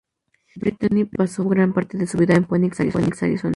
Brittany pasó gran parte de su vida en Phoenix, Arizona.